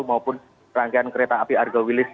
maupun rangkaian kereta api argo wilis